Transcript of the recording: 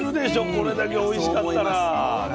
これだけおいしかったら。